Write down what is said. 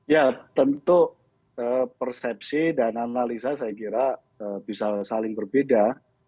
ya tentu persepsi dan analisa saya kira bisa saling berbeda